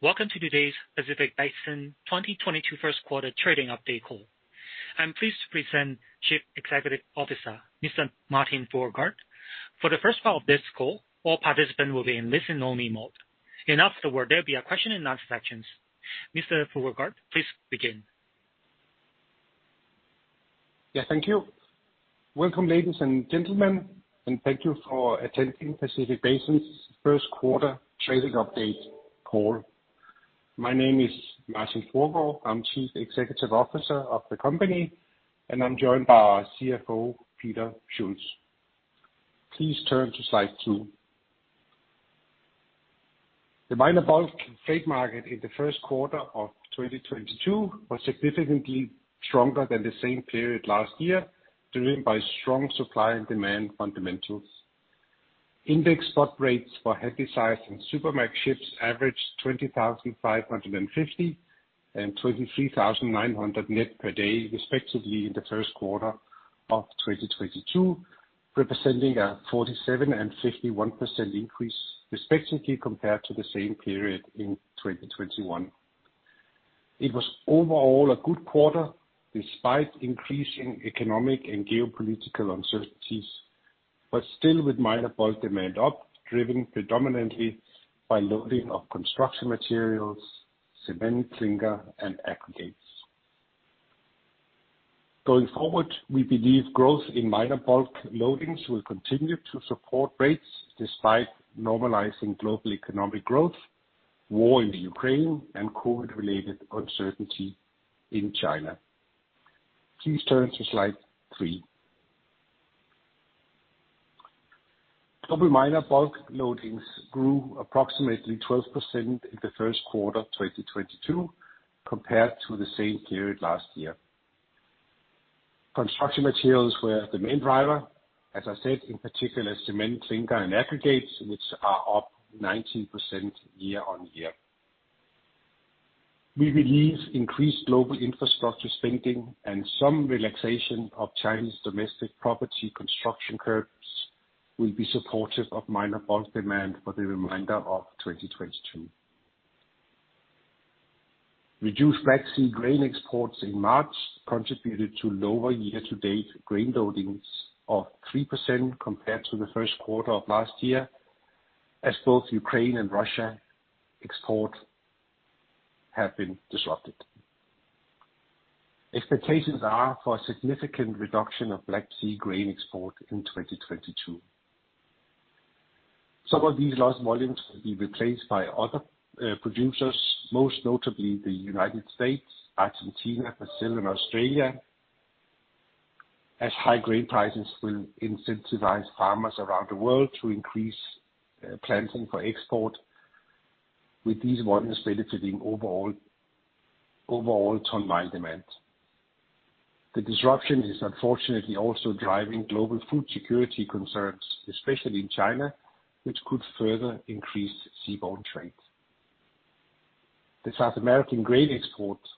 Welcome to today's Pacific Basin 2022 First Quarter Trading Update Call. I'm pleased to present Chief Executive Officer, Mr. Martin Fruergaard. For the first part of this call, all participants will be in listen only mode, and afterward there'll be a question-and-answer section. Mr. Fruergaard, please begin. Yeah, thank you. Welcome, ladies and gentlemen, and thank you for attending Pacific Basin's First Quarter Trading Update Call. My name is Martin Fruergaard. I'm Chief Executive Officer of the company, and I'm joined by our CFO, Peter Schulz. Please turn to slide 2. The minor bulk freight market in the first quarter of 2022 was significantly stronger than the same period last year, driven by strong supply and demand fundamentals. Index spot rates for Handysize and Supramax ships averaged 20,550 and 23,900 net per day, respectively, in the first quarter of 2022, representing a 47% and 51% increase, respectively, compared to the same period in 2021. It was overall a good quarter despite increasing economic and geopolitical uncertainties, but still with minor bulk demand up, driven predominantly by loading of construction materials, cement clinker, and aggregates. Going forward, we believe growth in minor bulk loadings will continue to support rates despite normalizing global economic growth, war in the Ukraine, and COVID-related uncertainty in China. Please turn to slide 3. Total minor bulk loadings grew approximately 12% in the first quarter of 2022 compared to the same period last year. Construction materials were the main driver, as I said, in particular cement clinker and aggregates, which are up 19% year-over-year. We believe increased global infrastructure spending and some relaxation of Chinese domestic property construction curbs will be supportive of minor bulk demand for the remainder of 2022. Reduced Black Sea grain exports in March contributed to lower year-to-date grain loadings of 3% compared to the first quarter of last year, as both Ukrainian and Russian exports have been disrupted. Expectations are for a significant reduction of Black Sea grain export in 2022. Some of these lost volumes will be replaced by other producers, most notably the United States, Argentina, Brazil, and Australia, as high grain prices will incentivize farmers around the world to increase planting for export, with these volumes benefiting overall ton-mile demand. The disruption is unfortunately also driving global food security concerns, especially in China, which could further increase seaborne trade. The South American grain exports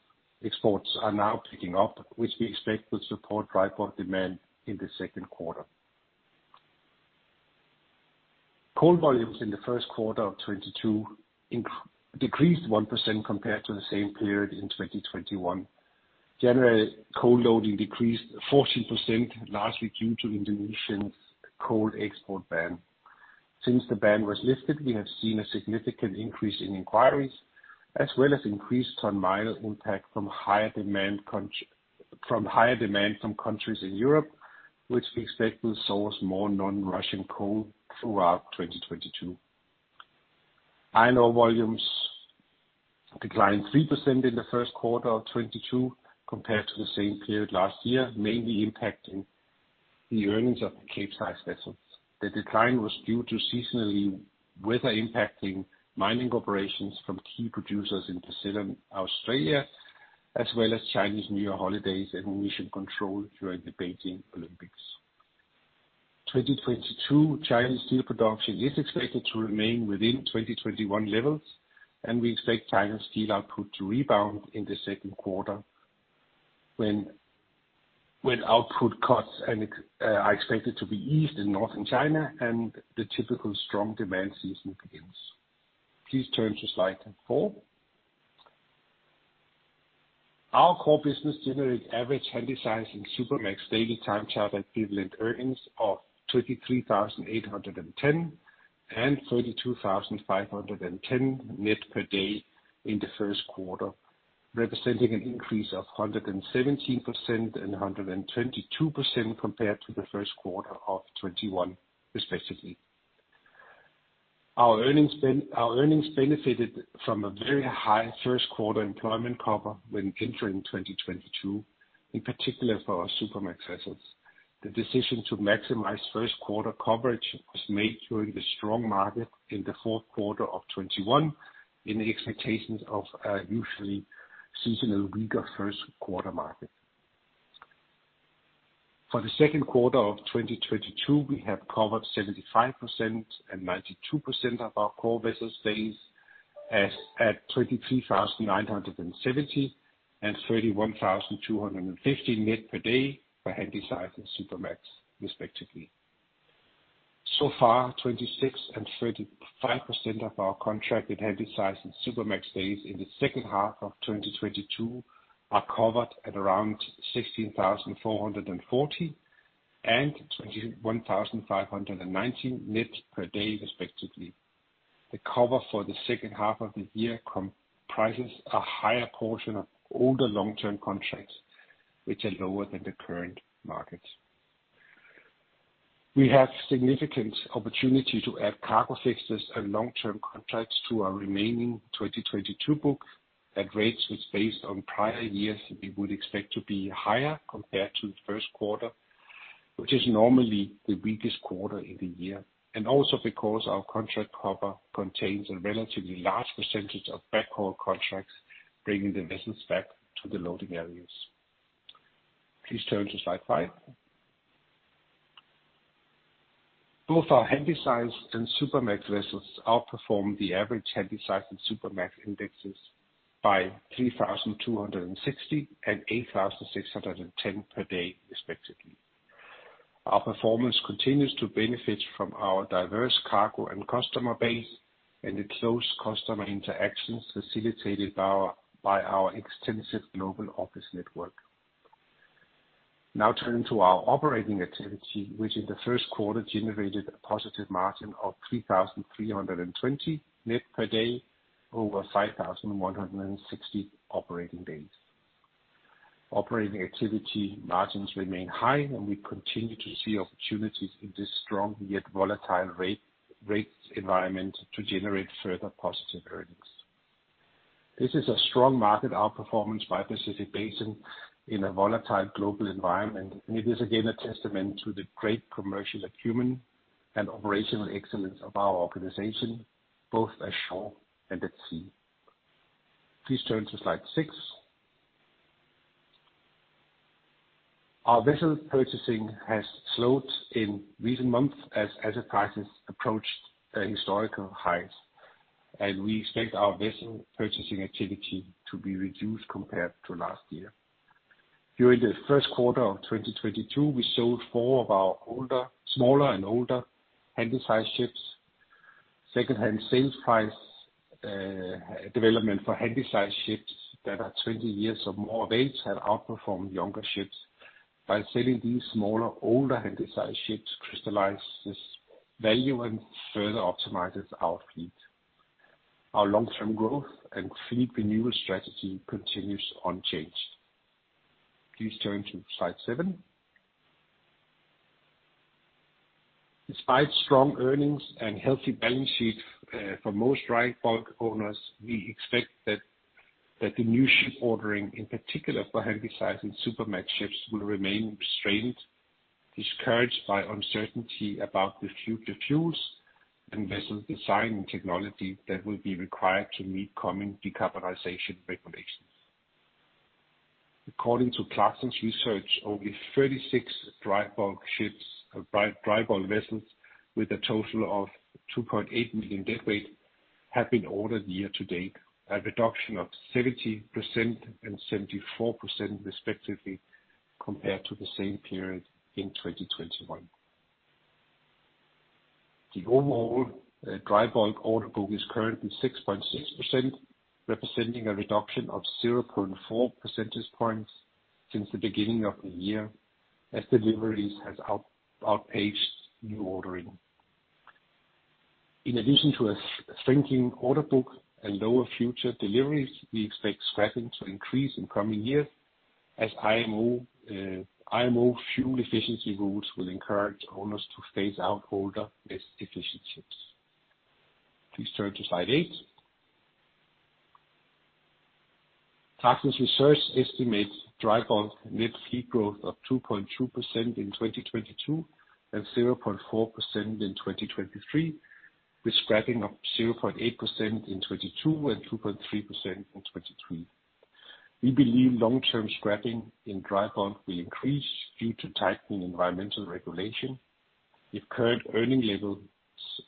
are now picking up, which we expect will support dry bulk demand in the second quarter. Coal volumes in the first quarter of 2022 decreased 1% compared to the same period in 2021. January coal loading decreased 14%, largely due to Indonesia's coal export ban. Since the ban was lifted, we have seen a significant increase in inquiries, as well as increased ton-mile impact from higher demand from countries in Europe, which we expect will source more non-Russian coal throughout 2022. Iron ore volumes declined 3% in the first quarter of 2022 compared to the same period last year, mainly impacting the earnings of the Capesize vessels. The decline was due to seasonal weather impacting mining operations from key producers in Brazil and Australia, as well as Chinese New Year holidays and emission control during the Beijing Olympics. 2022 Chinese steel production is expected to remain within 2021 levels, and we expect Chinese steel output to rebound in the second quarter when output cuts and are expected to be eased in Northern China and the typical strong demand season begins. Please turn to slide four. Our core business generated average Handysize and Supramax daily time charter equivalent earnings of $23,800 and $32,510 net per day in the first quarter, representing an increase of 117% and 122% compared to the first quarter of 2021 respectively. Our earnings benefited from a very high first quarter employment cover when entering 2022, in particular for our Supramax vessels. The decision to maximize first quarter coverage was made during the strong market in the fourth quarter of 2021 in the expectations of a usually seasonal weaker first quarter market. For the second quarter of 2022, we have covered 75% and 92% of our core vessel days as at $23,970 and $31,250 net per day for Handysize and Supramax respectively. So far, 26% and 35% of our contracted Handysize and Supramax days in the second half of 2022 are covered at around $16,440 and $21,519 net per day respectively. The cover for the second half of the year comprises a higher portion of older long-term contracts, which are lower than the current markets. We have significant opportunity to add cargo fixes and long-term contracts to our remaining 2022 book at rates which based on prior years, we would expect to be higher compared to the first quarter, which is normally the weakest quarter in the year, and also because our contract cover contains a relatively large percentage of backhaul contracts, bringing the vessels back to the loading areas. Please turn to slide 5. Both our Handysize and Supramax vessels outperformed the average Handysize and Supramax indexes by 3,260 and 8,610 per day respectively. Our performance continues to benefit from our diverse cargo and customer base and the close customer interactions facilitated by our extensive global office network. Now turning to our operating activity, which in the first quarter generated a positive margin of $3,320 net per day over 5,160 operating days. Operating activity margins remain high, and we continue to see opportunities in this strong yet volatile rates environment to generate further positive earnings. This is a strong market outperformance by Pacific Basin in a volatile global environment, and it is again a testament to the great commercial acumen and operational excellence of our organization, both ashore and at sea. Please turn to slide 6. Our vessel purchasing has slowed in recent months as asset prices approached historical highs, and we expect our vessel purchasing activity to be reduced compared to last year. During the first quarter of 2022, we sold 4 of our older, smaller Handysize ships. Secondhand sales price development for Handysize ships that are 20 years or more of age have outperformed younger ships. By selling these smaller, older Handysize ships crystallizes value and further optimizes our fleet. Our long-term growth and fleet renewal strategy continues unchanged. Please turn to slide 7. Despite strong earnings and healthy balance sheet for most dry bulk owners, we expect that the new ship ordering, in particular for Handysize and Supramax ships, will remain restrained, discouraged by uncertainty about the future fuels and vessel design and technology that will be required to meet coming decarbonization regulations. According to Clarksons Research, only 36 dry bulk vessels with a total of 2.8 million deadweight have been ordered year to date, a reduction of 70% and 74% respectively compared to the same period in 2021. The overall dry bulk order book is currently 6.6%, representing a reduction of 0.4 percentage points since the beginning of the year, as deliveries has outpaced new ordering. In addition to a strengthening order book and lower future deliveries, we expect scrapping to increase in coming years as IMO fuel efficiency rules will encourage owners to phase out older, less efficient ships. Please turn to slide 8. Clarksons Research estimates dry bulk net fleet growth of 2.2% in 2022 and 0.4% in 2023, with scrapping of 0.8% in 2022 and 2.3% in 2023. We believe long-term scrapping in dry bulk will increase due to tightening environmental regulation. If current earning levels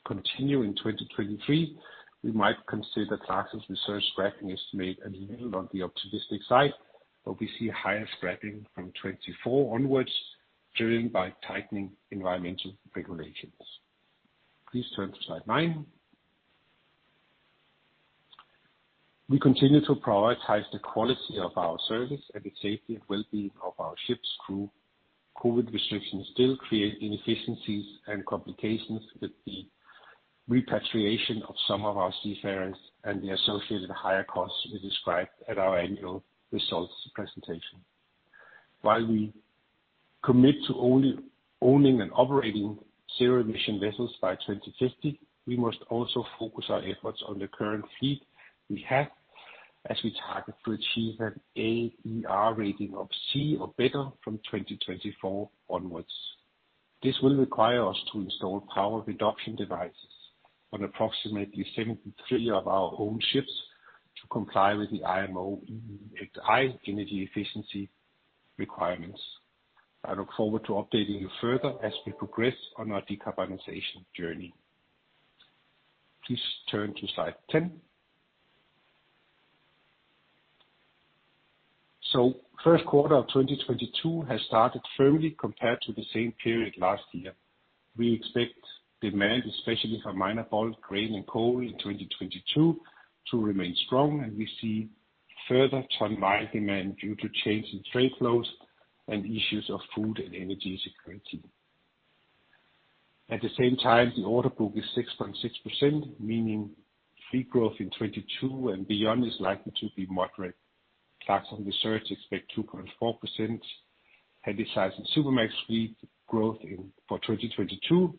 continue in 2023, we might consider Clarksons Research scrapping estimate a little on the optimistic side, but we see higher scrapping from 2024 onwards, driven by tightening environmental regulations. Please turn to slide 9. We continue to prioritize the quality of our service and the safety and wellbeing of our ship's crew. COVID restrictions still create inefficiencies and complications with the repatriation of some of our seafarers and the associated higher costs we described at our annual results presentation. While we commit to only owning and operating zero-emission vessels by 2050, we must also focus our efforts on the current fleet we have as we target to achieve an AER rating of C or better from 2024 onwards. This will require us to install power reduction devices on approximately 73 of our own ships to comply with the IMO high energy efficiency requirements. I look forward to updating you further as we progress on our decarbonization journey. Please turn to slide 10. First quarter of 2022 has started firmly compared to the same period last year. We expect demand, especially for minor bulk grain and coal in 2022 to remain strong, and we see further ton-mile demand due to change in trade flows and issues of food and energy security. At the same time, the order book is 6.6%, meaning fleet growth in 2022 and beyond is likely to be moderate. Clarksons Research expect 2.4% Handysize and Supramax fleet growth in, for 2022.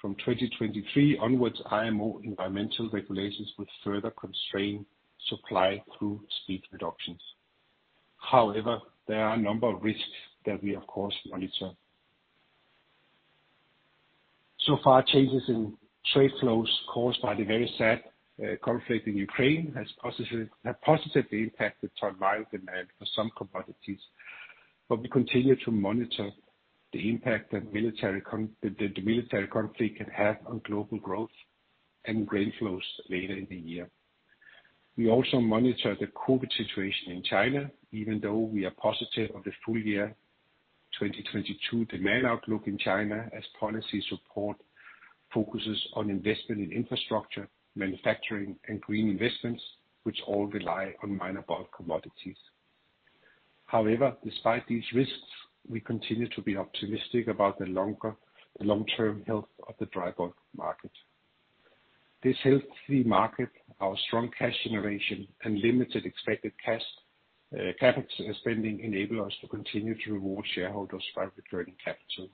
From 2023 onwards, IMO environmental regulations will further constrain supply through speed reductions. However, there are a number of risks that we of course monitor. So far, changes in trade flows caused by the very sad conflict in Ukraine have positively impacted ton-mile demand for some commodities. We continue to monitor the impact that the military conflict can have on global growth and grain flows later in the year. We also monitor the COVID situation in China, even though we are positive of the full year 2022 demand outlook in China as policy support focuses on investment in infrastructure, manufacturing and green investments, which all rely on minor bulk commodities. However, despite these risks, we continue to be optimistic about the long-term health of the dry bulk market. This healthy market, our strong cash generation and limited expected cash, CapEx spending enable us to continue to reward shareholders by returning capital.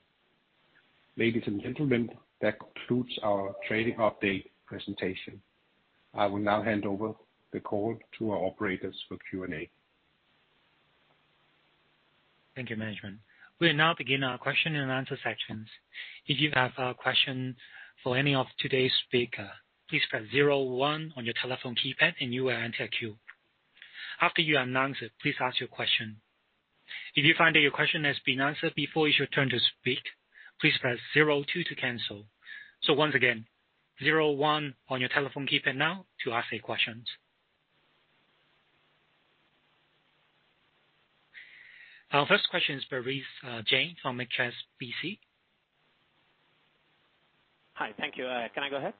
Ladies and gentlemen, that concludes our trading update presentation. I will now hand over the call to our operators for Q&A. Thank you, management. We'll now begin our question and answer sections. If you have a question for any of today's speaker, please press zero one on your telephone keypad and you will enter a queue. After you are announced, please ask your question. If you find that your question has been answered before it's your turn to speak, please press zero two to cancel. Once again, zero one on your telephone keypad now to ask a question. Our first question is Parash Jain from HSBC. Hi. Thank you. Can I go ahead?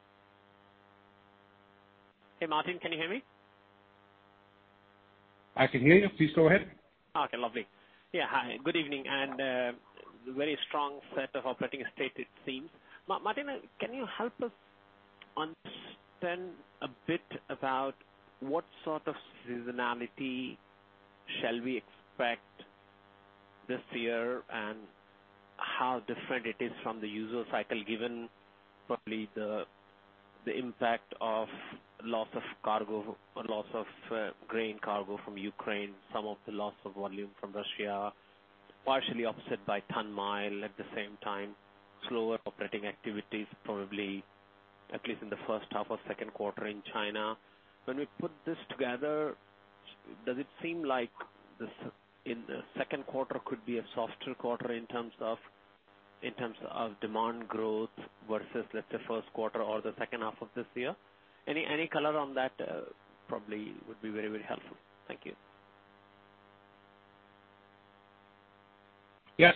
Hey, Martin, can you hear me? I can hear you. Please go ahead. Okay, lovely. Yeah, hi. Good evening. Very strong set of operating statement it seems. Martin, can you help us understand a bit about what sort of seasonality shall we expect this year and how different it is from the usual cycle, given probably the impact of loss of cargo, grain cargo from Ukraine, some of the loss of volume from Russia, partially offset by ton-mile, at the same time, slower operating activities, probably at least in the first half or second quarter in China. When we put this together, does it seem like this, in the second quarter could be a softer quarter in terms of demand growth versus like the first quarter or the second half of this year? Any color on that, probably would be very, very helpful. Thank you. Yes.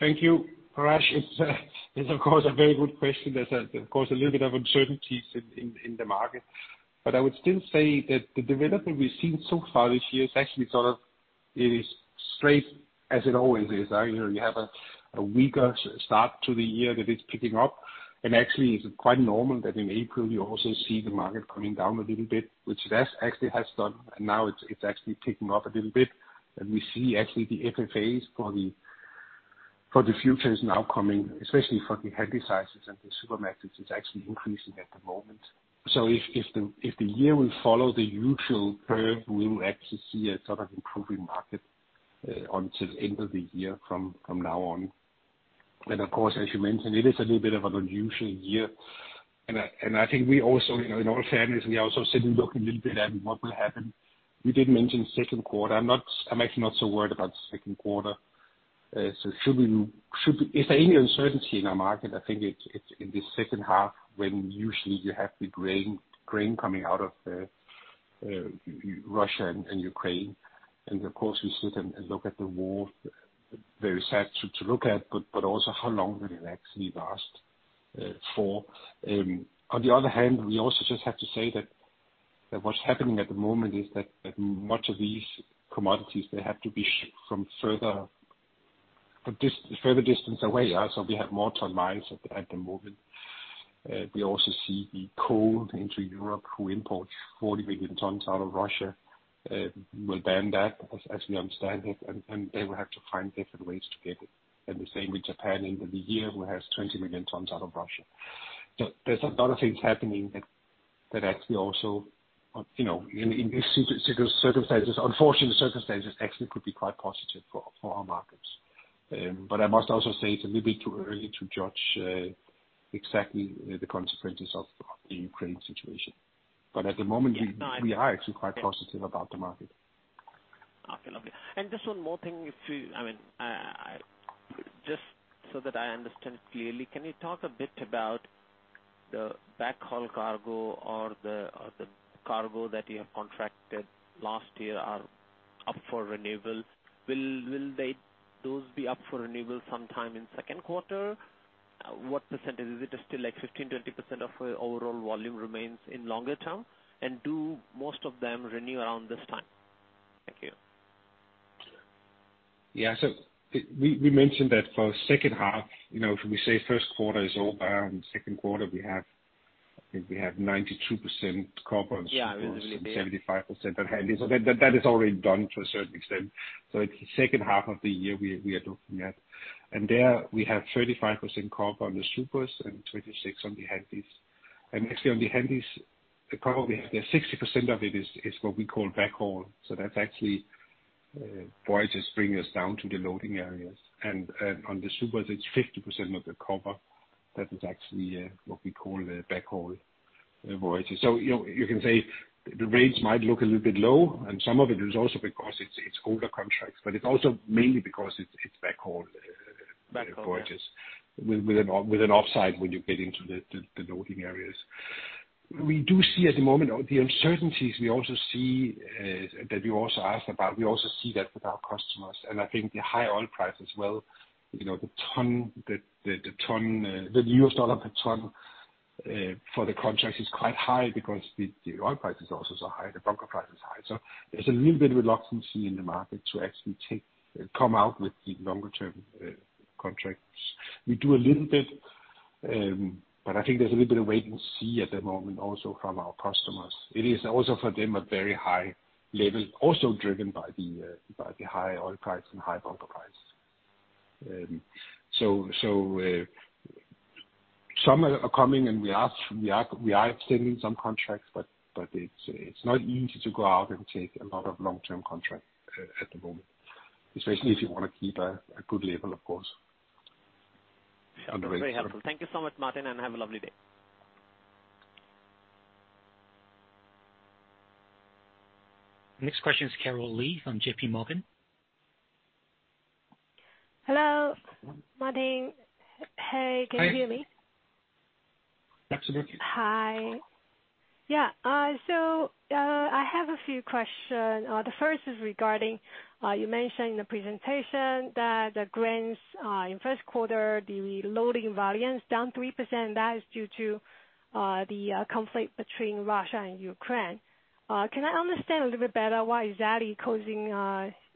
Thank you, Parash. It's of course a very good question. There's of course a little bit of uncertainties in the market. I would still say that the development we've seen so far this year is actually sort of strong as it always is. You know, you have a weaker start to the year that is picking up and actually is quite normal that in April you also see the market coming down a little bit, which it has actually done, and now it's actually picking up a little bit. We see actually the FFAs for the future is now coming, especially for the Handysizes and the Supramaxes, is actually increasing at the moment. If the year will follow the usual curve, we will actually see a sort of improving market until end of the year from now on. Of course, as you mentioned, it is a little bit of an unusual year. I think we also, you know, in all fairness, sit and look a little bit at what will happen. You did mention second quarter. I'm actually not so worried about second quarter. If any uncertainty in our market, I think it's in the second half when usually you have the grain coming out of Russia and Ukraine. Of course we sit and look at the war. Very sad to look at, but also how long will it actually last for? On the other hand, we also just have to say that what's happening at the moment is that much of these commodities they have to be shipped from further distance away, so we have more ton-miles at the moment. We also see the coal into Europe, who imports 40 million tons out of Russia, will ban that as we understand it. They will have to find different ways to get it. The same with Japan in the year who has 20 million tons out of Russia. There's a lot of things happening that actually also you know in these unfortunate circumstances actually could be quite positive for our markets. I must also say it's a little bit too early to judge exactly the consequences of the Ukraine situation. At the moment Yeah, no. We are actually quite positive about the market. Okay, lovely. Just one more thing, if we, I mean, just so that I understand clearly, can you talk a bit about the backhaul cargo or the cargo that you have contracted last year are up for renewal. Will they be up for renewal sometime in second quarter? What percentage, is it still like 15%-20% of overall volume remains in longer term? Do most of them renew around this time? Thank you. Yeah. We mentioned that for second half, you know, if we say first quarter is over and second quarter we have, I think we have 92% cover- Yeah 75%. That is already done to a certain extent. It's the second half of the year we are looking at. There we have 35% cover on the supers and 26 on the Handysize. Actually on the Handysize, probably 60% of it is what we call backhaul. That's actually voyages bringing us down to the loading areas. On the supers, it's 50% of the cover. That is actually what we call the backhaul voyages. You can say the rates might look a little bit low. Some of it is also because it's older contracts, but it's also mainly because it's backhaul. Backhaul Voyages with an off-hire when you get into the loading areas. We do see at the moment the uncertainties, we also see that you also asked about. We also see that with our customers. I think the high oil price as well, you know, the ton, the US dollar per ton for the contracts is quite high because the oil price is also so high, the bunker price is high. There's a little bit of reluctance in the market to actually come out with the longer term contracts. We do a little bit, but I think there's a little bit of wait and see at the moment also from our customers. It is also for them a very high level also driven by the high oil price and high bunker price. So some are coming, and we are extending some contracts. It's not easy to go out and take a lot of long-term contracts at the moment, especially if you wanna keep a good level, of course. Very helpful. Thank you so much, Martin, and have a lovely day. Next question is Karen Li from J.P. Morgan. Hello, Martin. Hey, can you hear me? Absolutely. Hi. I have a few question. The first is regarding, you mentioned in the presentation that the grains, in first quarter, the loading volumes down 3%. That is due to the conflict between Russia and Ukraine. Can I understand a little bit better why exactly causing,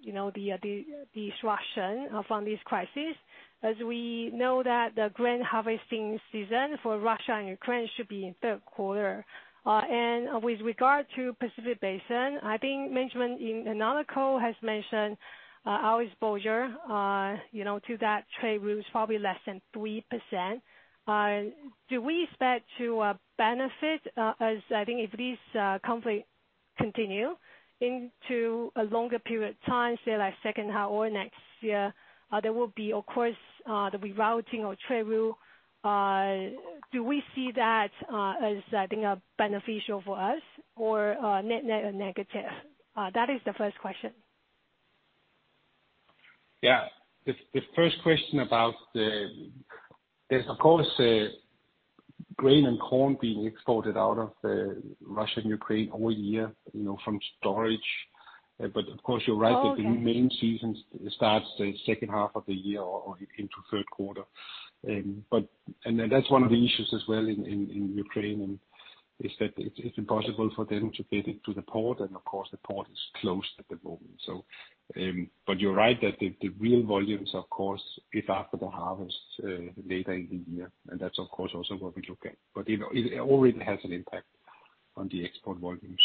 you know, the disruption from this crisis? As we know that the grain harvesting season for Russia and Ukraine should be in third quarter. With regard to Pacific Basin, I think management in another call has mentioned, our exposure, you know, to that trade route is probably less than 3%. Do we expect to benefit, as I think if this conflict continue into a longer period of time, say like second half or next year, there will be of course the rerouting of trade route? Do we see that as I think beneficial for us or net negative? That is the first question. Yeah. There's of course grain and corn being exported out of Russia and Ukraine all year, you know, from storage. Of course you're right that the main season starts the second half of the year or into third quarter. That's one of the issues as well in Ukraine, is that it's impossible for them to get it to the port. Of course, the port is closed at the moment. You're right that the real volumes of course is after the harvest, later in the year. That's of course also what we look at. You know, it already has an impact on the export volumes.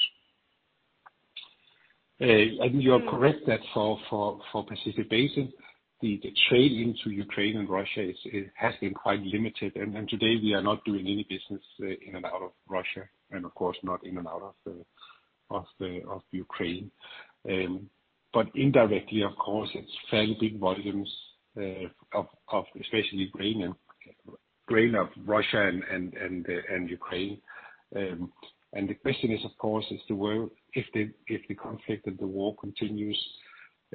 You are correct that for Pacific Basin, the trade into Ukraine and Russia has been quite limited. Today we are not doing any business in and out of Russia and of course not in and out of Ukraine. Indirectly of course it's fairly big volumes of especially grain of Russia and Ukraine. The question is of course if the conflict and the war continues,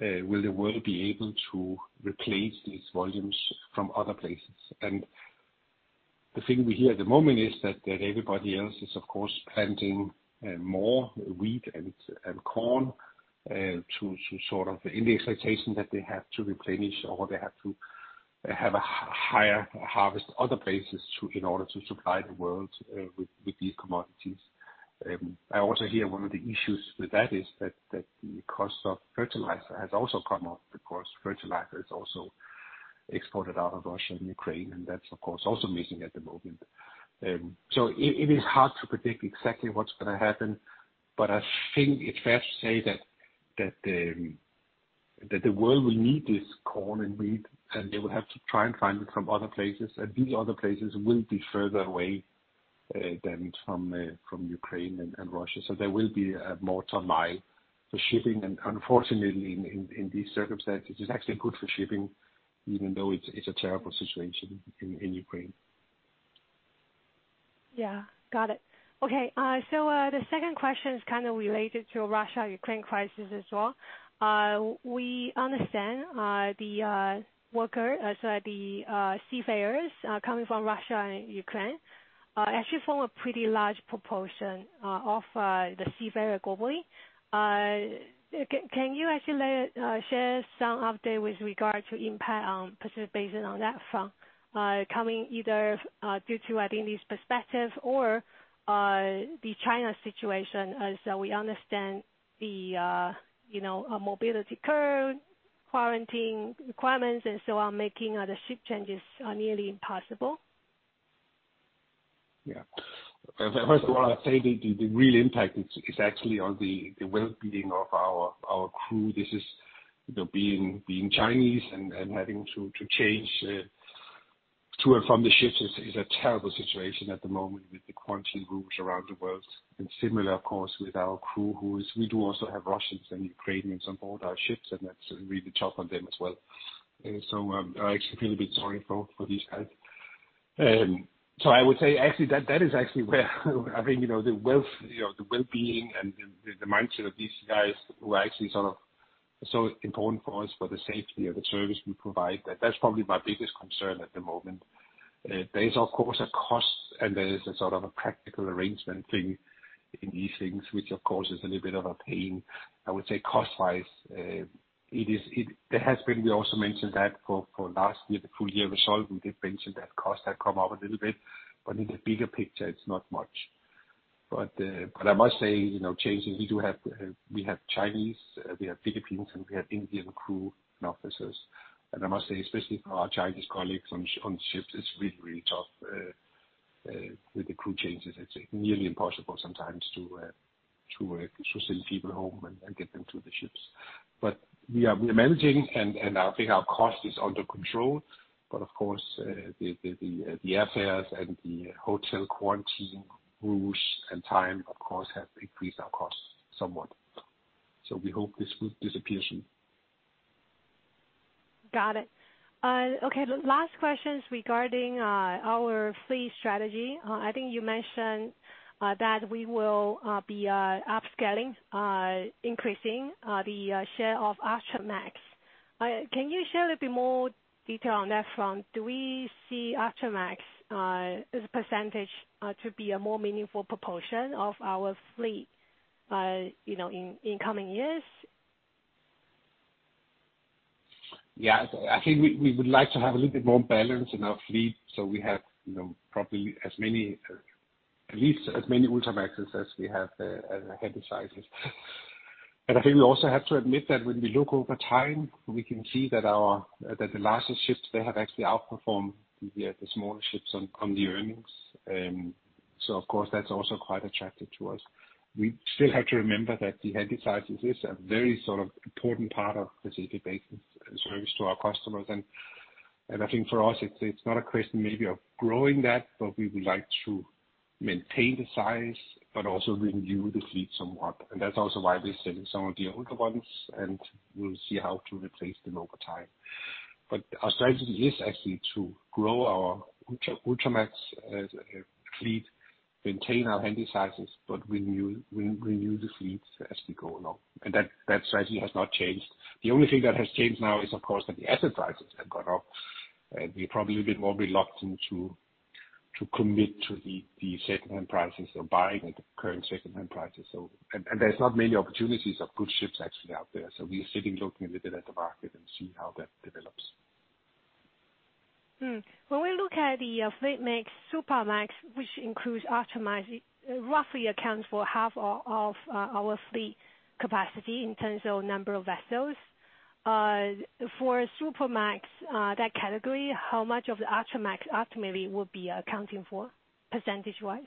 will the world be able to replace these volumes from other places? The thing we hear at the moment is that everybody else is of course planting more wheat and corn to sort of in the expectation that they have to replenish or they have to have a higher harvest other places to in order to supply the world with these commodities. I also hear one of the issues with that is that the cost of fertilizer has also gone up, because fertilizer is also exported out of Russia and Ukraine, and that's of course also missing at the moment. It is hard to predict exactly what's gonna happen. I think it's fair to say that the world will need this corn and wheat, and they will have to try and find it from other places. These other places will be further away than from Ukraine and Russia. There will be more ton-mile for shipping. Unfortunately, in these circumstances, it's actually good for shipping even though it's a terrible situation in Ukraine. Yeah. Got it. Okay, the second question is kind of related to Russia-Ukraine crisis as well. We understand the seafarers coming from Russia and Ukraine actually form a pretty large proportion of the seafarers globally. Can you actually share some update with regard to impact on Pacific Basin on that front, coming either due to I think these restrictions or the China situation, as we understand you know mobility curbs, quarantine requirements and so on, making other crew changes nearly impossible. Yeah. First of all, I'd say the real impact is actually on the well-being of our crew. This is, you know, being Chinese and having to change to and from the ships is a terrible situation at the moment with the quarantine rules around the world. Similar of course with our crew. We do also have Russians and Ukrainians on board our ships, and that's really tough on them as well. I actually feel a bit sorry for these guys. I would say actually that is actually where I think, you know, the health, you know, the well-being and the mindset of these guys who are actually sort of so important for us for the safety of the service we provide, that that's probably my biggest concern at the moment. There is of course a cost and there is a sort of a practical arrangement thing in these things, which of course is a little bit of a pain. I would say cost-wise, it is there has been, we also mentioned that for last year, the full year result, we did mention that costs have come up a little bit, but in the bigger picture it's not much. I must say, you know, we do have Chinese, Filipino, and Indian crew and officers. I must say especially for our Chinese colleagues on the ships, it's really, really tough. With the crew changes, it's nearly impossible sometimes to send people home and get them to the ships. We are managing and I think our cost is under control. Of course, the airfares and the hotel quarantine rules and time of course have increased our costs somewhat. We hope this will disappear soon. Got it. Okay, the last question is regarding our fleet strategy. I think you mentioned that we will be upscaling increasing the share of Ultramax. Can you share a bit more detail on that front? Do we see Ultramax as a percentage to be a more meaningful proportion of our fleet, you know, in coming years? Yeah. I think we would like to have a little bit more balance in our fleet so we have, you know, probably as many, at least as many Ultramaxes as we have, Handysizes. I think we also have to admit that when we look over time, we can see that the larger ships, they have actually outperformed the smaller ships on the earnings. Of course that's also quite attractive to us. We still have to remember that the Handysizes is a very sort of important part of Pacific Basin service to our customers. I think for us it's not a question maybe of growing that, but we would like to maintain the size but also renew the fleet somewhat. That's also why we're selling some of the older ones, and we'll see how to replace them over time. Our strategy is actually to grow our Ultramax fleet, maintain our Handysizes, but renew the fleets as we go along. That strategy has not changed. The only thing that has changed now is of course that the asset prices have gone up, we're probably a bit more reluctant to commit to the second-hand prices or buying at the current second-hand prices. There's not many opportunities of good ships actually out there. We are sitting looking a little bit at the market and see how that develops. When we look at the fleet mix, Supramax, which includes Ultramax, roughly accounts for half of our fleet capacity in terms of number of vessels. For Supramax, that category, how much of the Ultramax ultimately will be accounting for percentage-wise?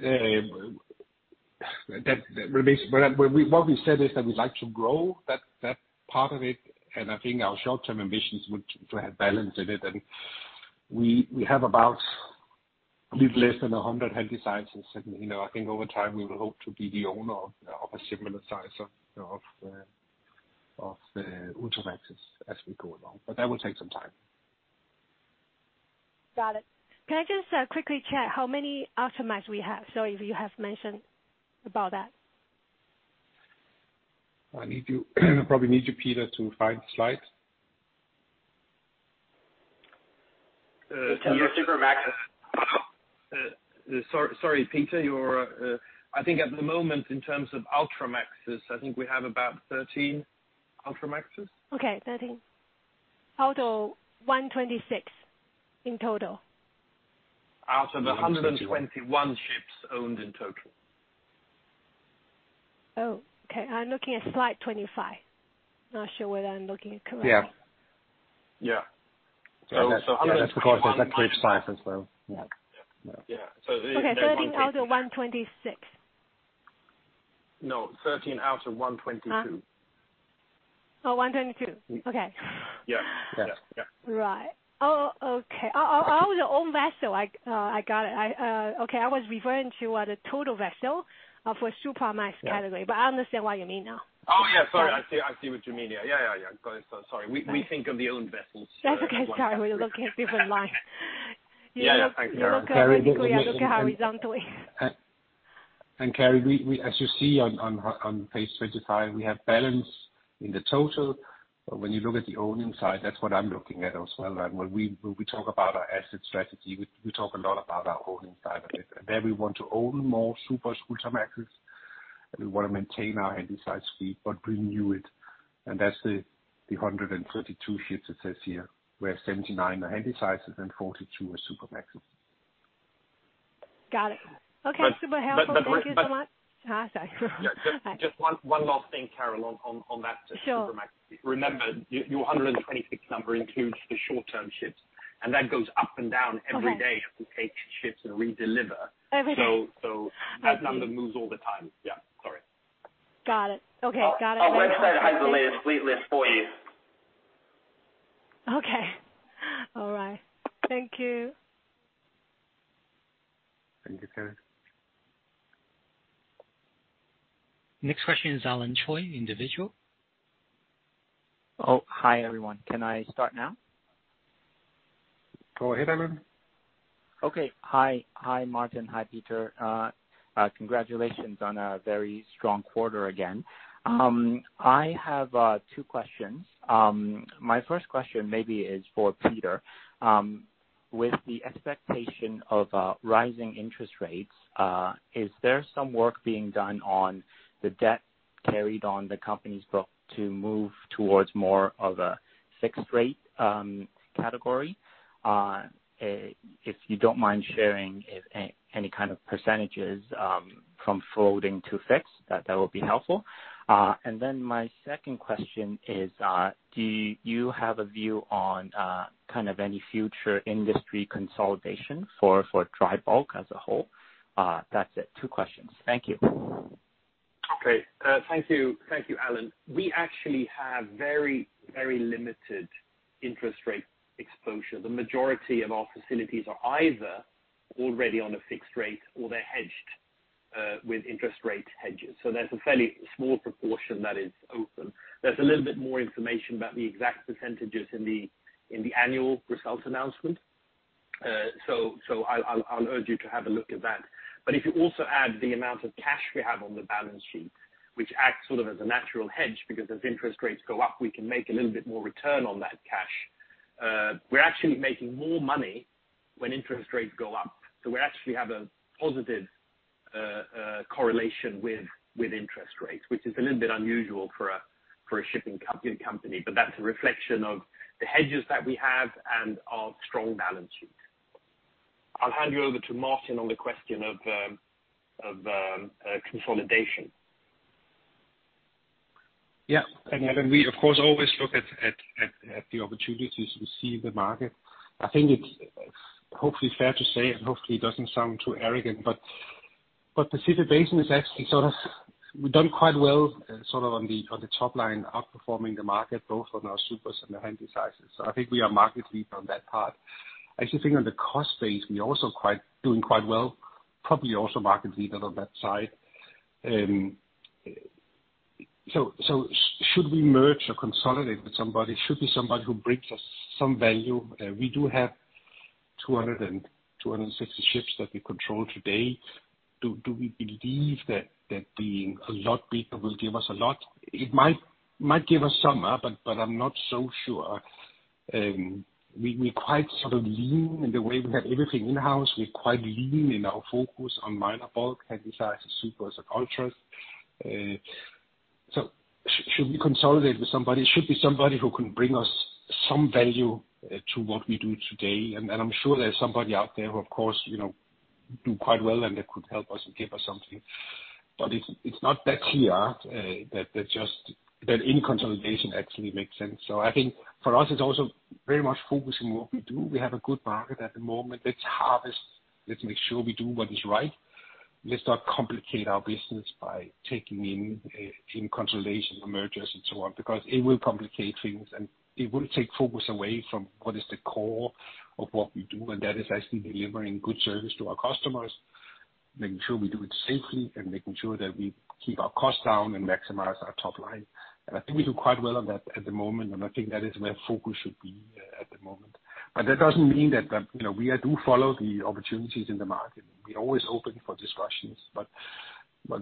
What we said is that we'd like to grow that part of it, and I think our short-term ambitions would to have balance in it. We have about a little less than 100 Handysizes. You know, I think over time we would hope to be the owner of a similar size of the Ultramaxes as we go along. That will take some time. Got it. Can I just, quickly check how many Ultramax we have? Sorry if you have mentioned about that. I probably need you, Peter, to find the slide. Your Supramax. Sorry, Peter. You're, I think, at the moment in terms of Ultramaxes, I think we have about 13 Ultramaxes. Okay. 13 out of 126 in total. Out of the 121 ships owned in total. Oh, okay. I'm looking at slide 25. Not sure whether I'm looking at correctly. Yeah. Yeah. Ultramax. Of course there's like three sizes, so yeah. Yeah. Okay. 13 out of 126. No, 13 out of 122. Oh, 122. Okay. Yeah. Yeah. Yeah. Right. Oh, okay. All the owned vessel. I got it. Okay, I was referring to the total vessel for Supramax category. Yeah. I understand what you mean now. Oh, yeah, sorry. I see what you mean. Yeah. Got it. Sorry. We think of the owned vessels. That's okay. Sorry. We're looking at different line. Yeah. Thanks, Karen. We look, I think we look horizontally. Karen, we as you see on page 25, we have balance in the total. But when you look at the owning side, that's what I'm looking at as well, right? When we talk about our asset strategy, we talk a lot about our owning side of it. There we want to own more Supramax, Ultramax. We wanna maintain our Handysize fleet, but renew it. That's the 132 ships it says here, where 79 are Handysizes and 42 are Supramaxes. Got it. Okay. But, but, but- How full are you guys on that? Oh, sorry. Just one last thing, Karen, on that Supramax. Sure. Remember, your 126 number includes the short-term ships, and that goes up and down every day. Okay. as we take ships and redeliver. Every day. So, so- Okay. That number moves all the time. Yeah. Sorry. Got it. Okay. Got it. Our website has the latest fleet list for you. Okay. All right. Thank you. Thank you, Karen. Next question is Alan Choi, Individual. Oh, hi, everyone. Can I start now? Go ahead, Alan. Okay. Hi. Hi, Martin. Hi, Peter. Congratulations on a very strong quarter again. I have two questions. My first question maybe is for Peter. With the expectation of rising interest rates, is there some work being done on the debt carried on the company's book to move towards more of a fixed rate category? If you don't mind sharing if any kind of percentages from floating to fixed, that would be helpful. Then my second question is, do you have a view on kind of any future industry consolidation for dry bulk as a whole? That's it, two questions. Thank you. Okay. Thank you. Thank you, Alan. We actually have very, very limited interest rate exposure. The majority of our facilities are either already on a fixed rate or they're hedged with interest rate hedges. So there's a fairly small proportion that is open. There's a little bit more information about the exact percentages in the annual results announcement. So I'll urge you to have a look at that. But if you also add the amount of cash we have on the balance sheet, which acts sort of as a natural hedge, because as interest rates go up, we can make a little bit more return on that cash. We're actually making more money when interest rates go up. We actually have a positive correlation with interest rates, which is a little bit unusual for a shipping company. That's a reflection of the hedges that we have and our strong balance sheet. I'll hand you over to Martin on the question of consolidation. Yeah. We of course always look at the opportunities we see in the market. I think it's hopefully fair to say, and hopefully it doesn't sound too arrogant, but Pacific Basin has actually sort of done quite well, sort of on the top line, outperforming the market both on our supers and the Handysizes. I think we are market leader on that part. I actually think on the cost base, we're also quite doing quite well, probably also market leader on that side. Should we merge or consolidate with somebody, it should be somebody who brings us some value. We do have 260 ships that we control today. Do we believe that being a lot bigger will give us a lot? It might give us some, but I'm not so sure. We quite sort of lean in the way we have everything in-house. We're quite lean in our focus on minor bulk, Handysizes, supers and ultras. Should we consolidate with somebody, it should be somebody who can bring us some value to what we do today. I'm sure there's somebody out there who of course you know do quite well, and they could help us and give us something. It's not that clear that any consolidation actually makes sense. I think for us it's also very much focusing on what we do. We have a good market at the moment. Let's harvest. Let's make sure we do what is right. Let's not complicate our business by taking in consolidation or mergers and so on, because it will complicate things, and it will take focus away from what is the core of what we do. That is actually delivering good service to our customers, making sure we do it safely, and making sure that we keep our costs down and maximize our top line. I think we do quite well on that at the moment, and I think that is where focus should be at the moment. But that doesn't mean that you know we do follow the opportunities in the market. We're always open for discussions. But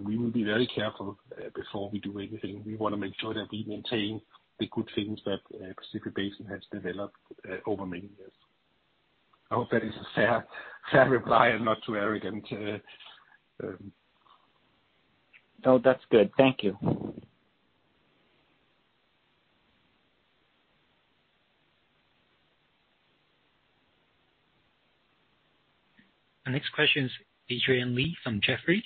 we will be very careful before we do anything. We wanna make sure that we maintain the good things that Pacific Basin has developed over many years. I hope that is a fair reply and not too arrogant. No, that's good. Thank you. Our next question is Johnson Wan from Jefferies.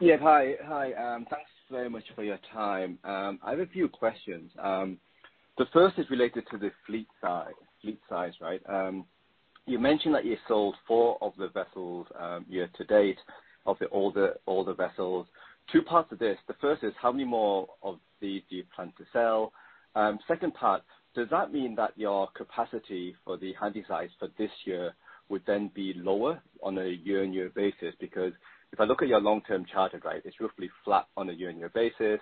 Yeah. Hi. Hi, thanks very much for your time. I have a few questions. The first is related to the fleet size, right? You mentioned that you sold 4 of the vessels year to date of the older vessels. Two parts of this. The first is how many more of these do you plan to sell? Second part, does that mean that your capacity for the Handysize for this year would then be lower on a year-on-year basis? Because if I look at your long-term charter rate, it's roughly flat on a year-on-year basis.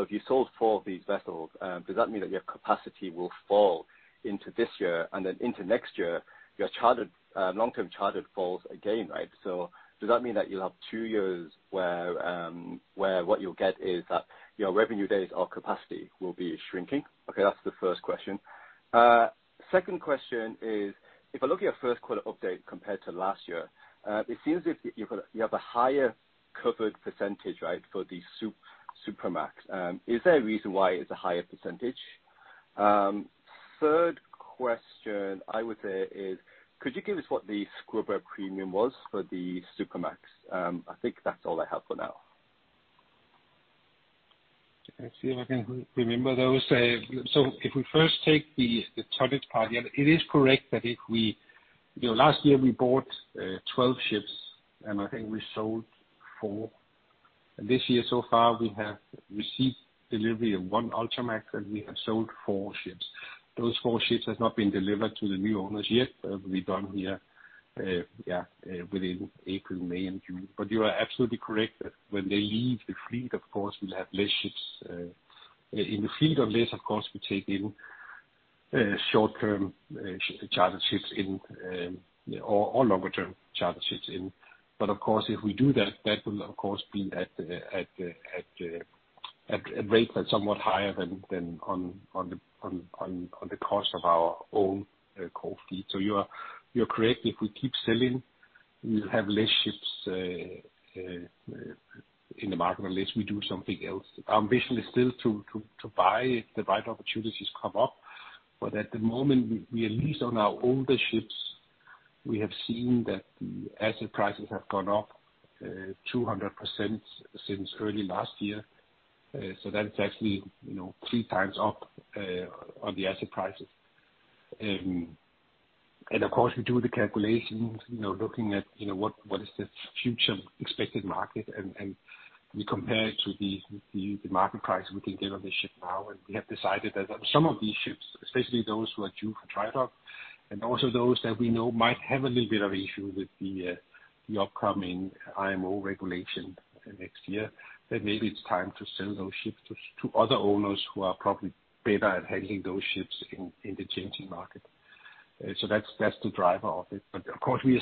If you sold 4 of these vessels, does that mean that your capacity will fall into this year and then into next year, your long-term charter falls again, right? Does that mean that you'll have two years where what you'll get is that your revenue days or capacity will be shrinking? Okay, that's the first question. Second question is, if I look at your first quarter update compared to last year, it seems as if you have a higher covered percentage, right, for the Supramax. Is there a reason why it's a higher percentage? Third question I would say is could you give us what the scrubber premium was for the Supramax? I think that's all I have for now. Let's see if I can remember those. If we first take the charter party, it is correct that, you know, last year we bought 12 ships, and I think we sold 4. This year so far we have received delivery of 1 Ultramax, and we have sold 4 ships. Those 4 ships has not been delivered to the new owners yet. That will be done here within April, May, and June. You are absolutely correct that when they leave the fleet, of course we'll have less ships in the fleet. On this of course we take in short-term charter ships in or longer term charter ships in. Of course if we do that will of course be at a rate that's somewhat higher than on the cost of our own core fleet. You are correct. If we keep selling we'll have less ships in the market, unless we do something else. Our ambition is still to buy if the right opportunities come up. At the moment we at least on our older ships, we have seen that the asset prices have gone up 200% since early last year. So that's actually, you know, three times up on the asset prices. Of course we do the calculations, you know, looking at, you know, what is the future expected market, and we compare it to the market price we can get on the ship now. We have decided that some of these ships, especially those who are due for drydock, and also those that we know might have a little bit of issue with the upcoming IMO regulation next year, that maybe it's time to sell those ships to other owners who are probably better at handling those ships in the changing market. That's the driver of it. Of course we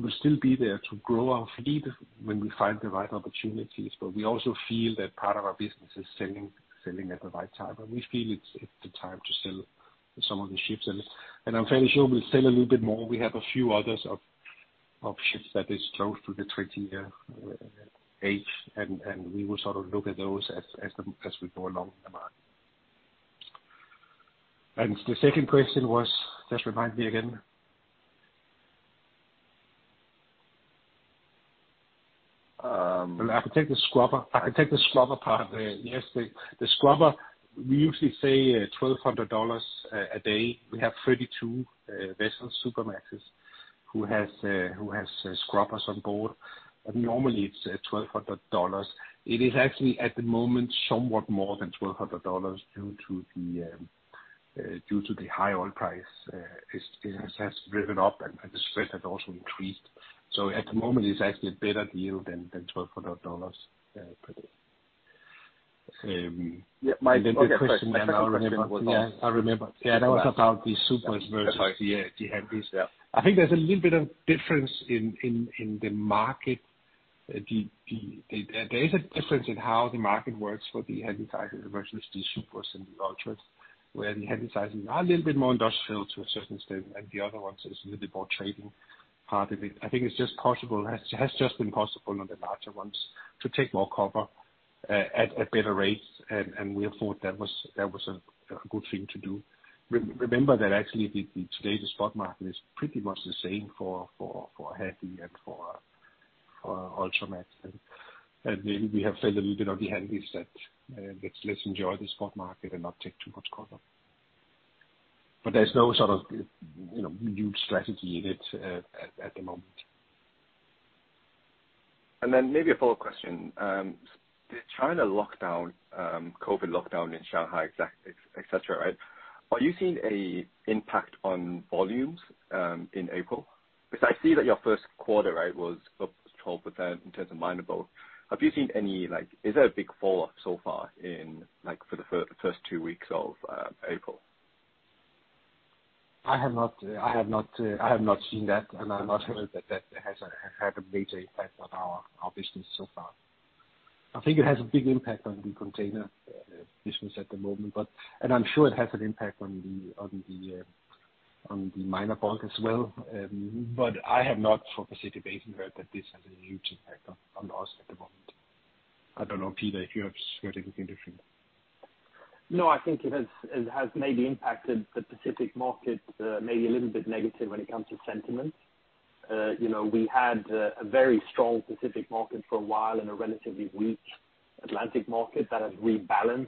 will still be there to grow our fleet when we find the right opportunities. We also feel that part of our business is selling at the right time. We feel it's the time to sell some of the ships. I'm fairly sure we'll sell a little bit more. We have a few others of ships that is close to the 20-year age and we will sort of look at those as we go along the market. The second question was, just remind me again. Well, I can take the scrubber part. Yes, the scrubber, we usually say $1,200 a day. We have 32 vessels, Supramaxes, who has scrubbers on board. Normally it's $1,200. It is actually at the moment somewhat more than $1,200 due to the high oil price. It has driven up and the spread has also increased. At the moment it's actually a better deal than $1,200 per day. Yeah. My second question was. The question I remember. Yeah. That was about the Supermaxes versus the Handysize. Yeah. I think there's a little bit of difference in the market. There is a difference in how the market works for the Handysize versus the Supramaxes and the Ultramax, where the Handysize are a little bit more industrial to a certain extent, and the other ones is a little bit more trading part of it. I think it's just possible, has just been possible on the larger ones to take more cover at better rates. We thought that was a good thing to do. Remember that actually the today the spot market is pretty much the same for Handysize and for Ultramax. Maybe we have felt a little bit on the Handysize that we less enjoy the spot market and not take too much cover. There's no sort of, you know, new strategy in it at the moment. Maybe a follow-up question. The China lockdown, COVID lockdown in Shanghai et cetera, right, are you seeing an impact on volumes in April? Because I see that your first quarter, right, was up 12% in terms of minor bulk. Have you seen any, like, is there a big falloff so far in, like, for the first two weeks of April? I have not seen that, and I have not heard that that has had a major impact on our business so far. I think it has a big impact on the container business at the moment. I'm sure it has an impact on the minor bulk as well. I have not, for Pacific Basin, heard that this has a huge impact on us at the moment. I don't know, Peter, if you have a different view. No, I think it has maybe impacted the Pacific market, maybe a little bit negative when it comes to sentiments. You know, we had a very strong Pacific market for a while and a relatively weak Atlantic market that has rebalanced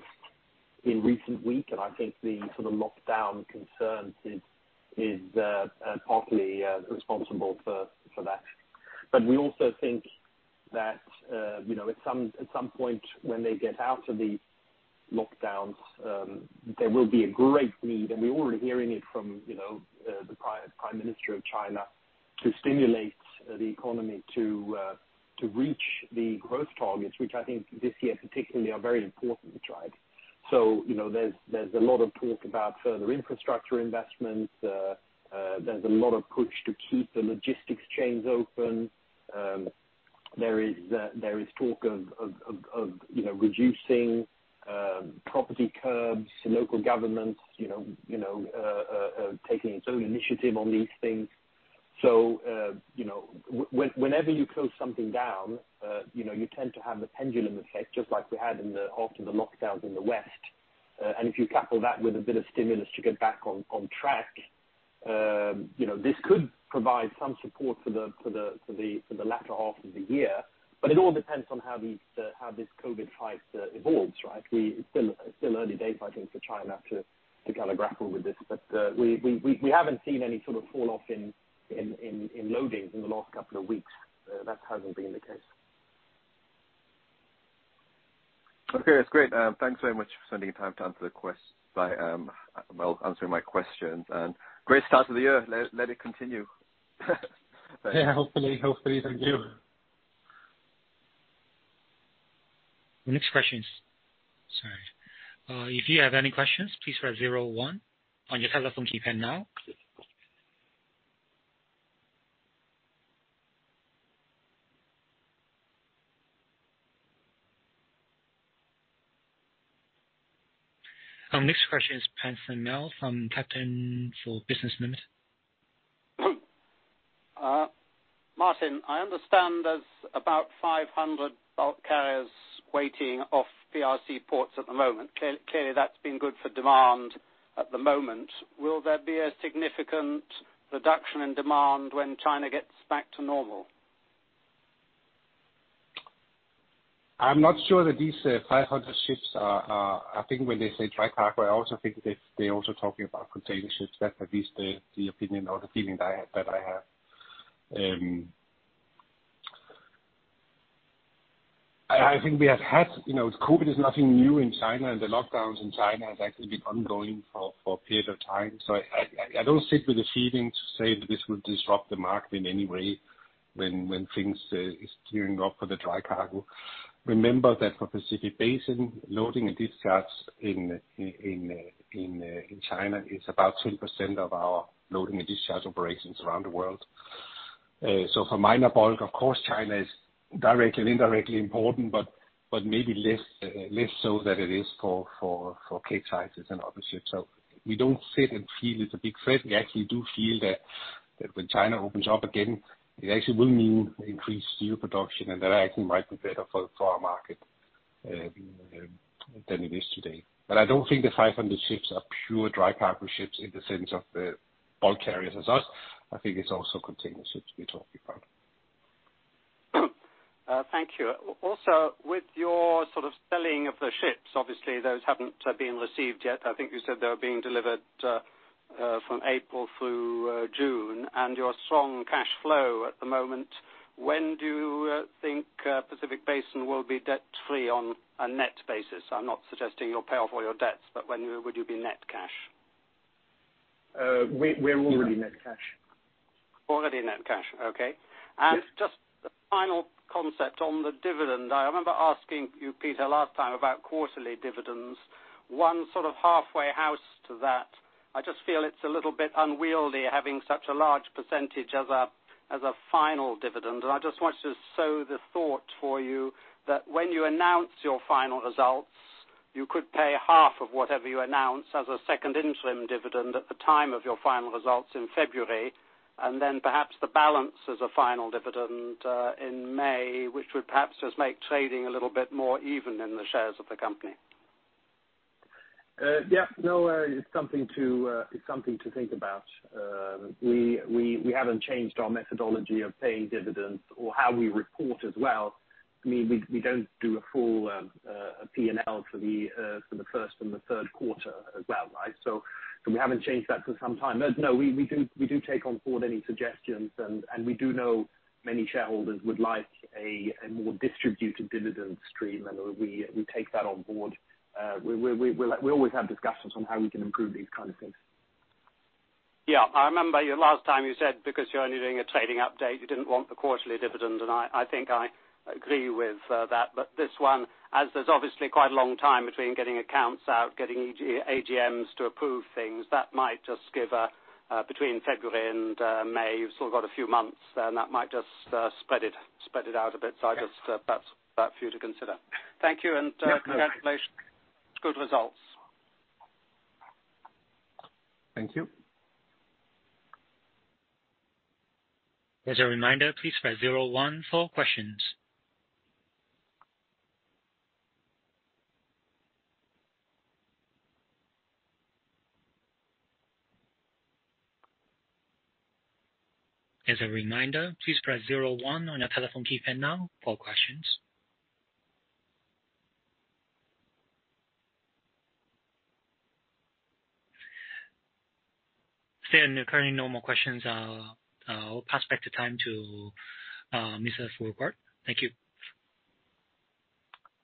in recent weeks. I think the sort of lockdown concerns is partly responsible for that. We also think that, you know, at some point when they get out of these lockdowns, there will be a great need, and we're already hearing it from, you know, the prime minister of China, to stimulate the economy to reach the growth targets, which I think this year particularly are very important to China. You know, there's a lot of talk about further infrastructure investments. There's a lot of push to keep the logistics chains open. There is talk of, you know, reducing property curbs to local governments, you know, taking its own initiative on these things. You know, whenever you close something down, you know, you tend to have the pendulum effect, just like we had after the lockdowns in the West. If you couple that with a bit of stimulus to get back on track, you know, this could provide some support for the latter half of the year. It all depends on how this COVID fight evolves, right? It's still early days I think for China to kinda grapple with this. We haven't seen any sort of fall-off in loadings in the last couple of weeks. That hasn't been the case. Okay. That's great. Thanks very much for spending time answering my questions. Great start to the year. Let it continue. Yeah. Hopefully. Thank you. Our next question is. Martin, I understand there's about 500 bulk carriers waiting off PRC ports at the moment. Clearly, that's been good for demand at the moment. Will there be a significant reduction in demand when China gets back to normal? I'm not sure that these 500 ships are. I think when they say dry cargo, I also think they're talking about container ships. That's at least the opinion or the feeling that I have. You know, COVID is nothing new in China, and the lockdowns in China has actually been ongoing for a period of time. I don't sit with the feeling to say that this will disrupt the market in any way when things is gearing up for the dry cargo. Remember that for Pacific Basin, loading and discharge in China is about 2% of our loading and discharge operations around the world. For minor bulk, of course, China is directly and indirectly important, but maybe less so than it is for Capesizes and other ships. We don't sit and fret it's a big threat. We actually do feel that when China opens up again, it actually will mean increased steel production, and that actually might be better for our market than it is today. I don't think the 500 ships are pure dry cargo ships in the sense of the bulk carriers as us. I think it's also container ships we're talking about. Thank you. Also, with your sort of selling of the ships, obviously those haven't been received yet. I think you said they were being delivered from April through June. Your strong cash flow at the moment, when do you think Pacific Basin will be debt-free on a net basis? I'm not suggesting you'll pay off all your debts, but when would you be net cash? We're already net cash. Already net cash. Okay. Just a final concept on the dividend. I remember asking you, Peter, last time about quarterly dividends. One sort of halfway house to that, I just feel it's a little bit unwieldy having such a large percentage as a final dividend. I just wanted to sow the thought for you that when you announce your final results, you could pay half of whatever you announce as a second interim dividend at the time of your final results in February, and then perhaps the balance as a final dividend in May, which would perhaps just make trading a little bit more even in the shares of the company. Yeah. No, it's something to think about. We haven't changed our methodology of paying dividends or how we report as well. I mean, we don't do a full P&L for the first and the third quarter as well, right? We haven't changed that for some time. No, we do take on board any suggestions. We do know many shareholders would like a more distributed dividend stream, and we take that on board. We always have discussions on how we can improve these kind of things. Yeah. I remember last time you said because you're only doing a trading update, you didn't want the quarterly dividend, and I think I agree with that. This one, as there's obviously quite a long time between getting accounts out, getting AGMs to approve things, that might just give between February and May, you've still got a few months, then that might just spread it out a bit. I just Yeah. That's that for you to consider. Thank you. Yeah. Congratulations. Good results. Thank you. Seeing there are currently no more questions, I'll pass back the time to Mr. Fruergaard. Thank you.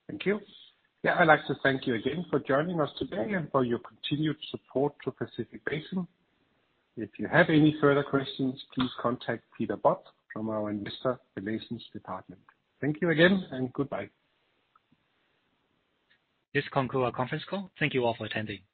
Thank you. Yeah, I'd like to thank you again for joining us today and for your continued support to Pacific Basin. If you have any further questions, please contact Peter Budd from our investor relations department. Thank you again and goodbye. This concludes our conference call. Thank you all for attending.